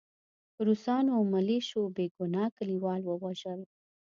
روسانو او ملیشو بې ګناه کلیوال ووژل